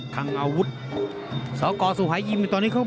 ครับครับครับครับครับครับครับ